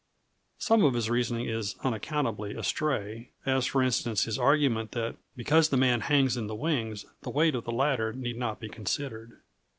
Some of his reasoning is unaccountably astray; as, for instance, his argument that because the man hangs in the wings the weight of the latter need not be considered.